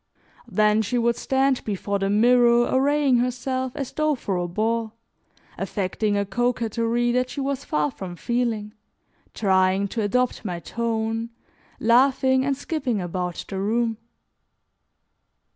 Then she would stand before the mirror arraying herself as though for a ball, affecting a coquetry that she was far from feeling, trying to adopt my tone, laughing and skipping about the room.